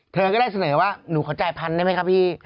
เธอก็ได้เสนอว่าหนูขอจ่ายพันได้ไหมครับพี่